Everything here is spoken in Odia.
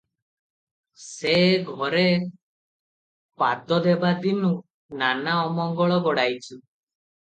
ସେ ଏ ଘରେ ପାଦ ଦେବା ଦିନୁ ନାନା ଅମଙ୍ଗଳ ଗୋଡ଼ାଇଛି ।"